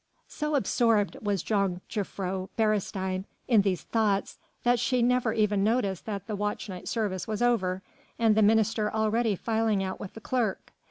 So absorbed was Jongejuffrouw Beresteyn in these thoughts that she never even noticed that the watch night service was over, and the minister already filing out with the clerk.